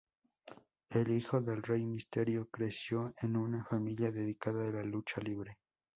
El Hijo de Rey Misterio creció en una familia dedicada a la lucha libre.